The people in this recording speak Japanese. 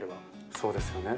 そうですよね。